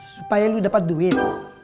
supaya lo dapat duit